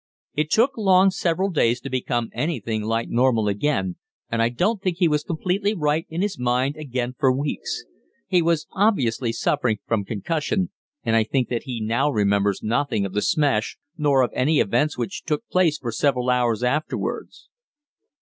It took Long several days to become anything like normal again, and I don't think he was completely right in his mind again for weeks. He was obviously suffering from concussion, and I think that he now remembers nothing of the smash nor of any events which took place for several hours afterwards.